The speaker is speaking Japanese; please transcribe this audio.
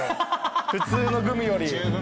普通のグミより。